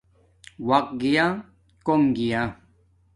وقت گیا کوم گیا